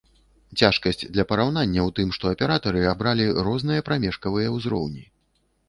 Цяжкасць для параўнання ў тым, што аператары абралі розныя прамежкавыя ўзроўні.